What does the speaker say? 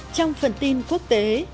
trong phần tin quốc tế